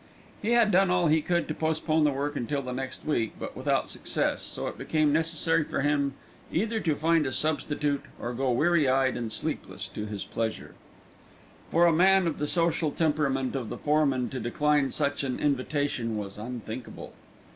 He had done all he could to postpone the work until the next week, but without success, so it became necessary for him either to find a substitute, or go weary eyed and sleepless to his pleasure. For a man of the social temperament of the foreman to decline such an invitation was unthinkable.